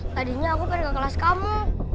tadinya aku pada kelas kamu